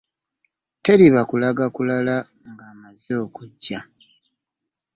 Teriba kulanga kulala ng'amaze okujja.